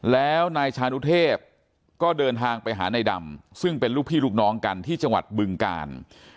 แล้วนายชานุเทพก็เดินทางไปหานายดำซึ่งเป็นลูกพี่ลูกน้องกันที่จังหวัดบึงกาล